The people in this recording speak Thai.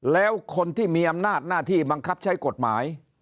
แล้วคนที่มีอำนาจหน้าที่บังคับใช้กฎหมาย